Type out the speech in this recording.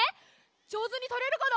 じょうずにとれるかな？